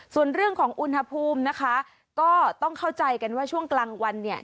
ส่วนเรื่องของอุณหภูมินะคะก็ต้องเข้าใจกันว่าช่วงกลางวันเนี่ย